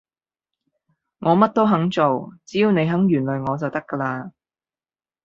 我乜都肯做，只要你肯原諒我就得㗎喇